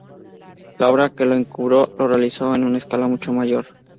La obra que lo encumbró la realizó en una escala mucho mayor.